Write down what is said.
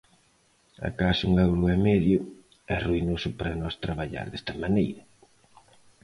A case un euro e medio é ruinoso para nós traballar desta maneira.